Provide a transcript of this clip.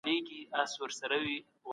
که څېړنه سوي وي، بل یې باید تکرار نه کړي.